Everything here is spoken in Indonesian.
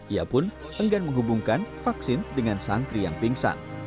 ia pun enggan menghubungkan vaksin dengan santri yang pingsan